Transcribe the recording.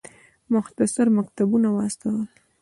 مختصر مکتوبونه واستول.